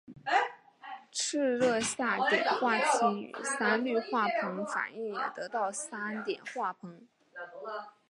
赤热下碘化氢与三氯化硼反应也得到三碘化硼。